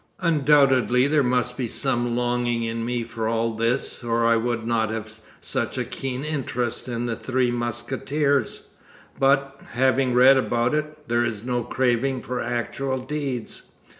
Undoubtedly there must be some longing in me for all this or I would not have such a keen interest in The Three Musketeers, but, having read about it, there is no craving for actual deeds.